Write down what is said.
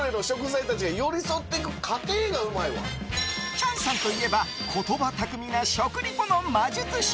チャンさんといえば言葉巧みな食リポの魔術師。